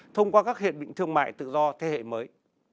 thông qua các hiệp định thương mại tự do thế hệ mới